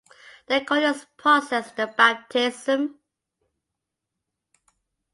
They call this process "the baptism".